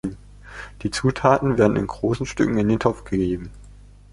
Die Zutaten werden in großen Stücken in den Topf gegeben.